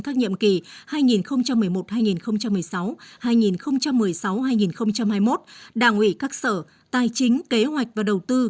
các nhiệm kỳ hai nghìn một mươi một hai nghìn một mươi sáu hai nghìn một mươi sáu hai nghìn hai mươi một đảng ủy các sở tài chính kế hoạch và đầu tư